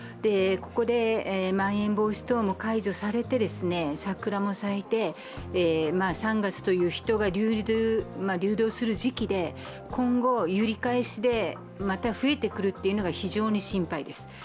ここでまん延防止等も解除されて、桜も咲いて３月という人が流動する時期で、今後、揺り返しでまた増えてくるというのが非常に心配です。